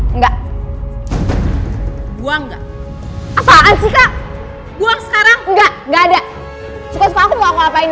enggak buang enggak apaan sih buang sekarang enggak enggak ada suka suka aku mau ngapain